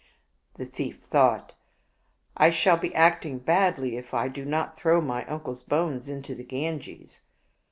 The thief thought, " I shall be acting badly if I do not throw my uncle's bones into the Ganges."